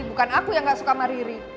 bukan aku yang gak suka sama riri